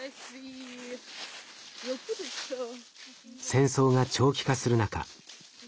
戦争が長期化する中福島